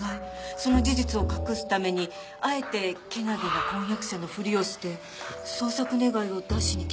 その事実を隠すためにあえてけなげな婚約者のふりをして捜索願を出しに来たとか？